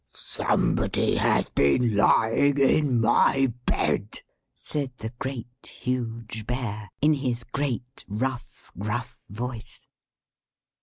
"=Somebody has been lying in my bed!=" said the Great, Huge Bear, in his great, rough, gruff voice.